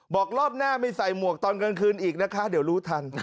บอกรอบหน้าไม่ใส่หมวกตอนกลางคืนอีกนะคะเดี๋ยวรู้ทัน